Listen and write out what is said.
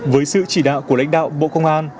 với sự chỉ đạo của lãnh đạo bộ công an